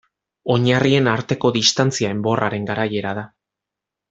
Oinarrien arteko distantzia enborraren garaiera da.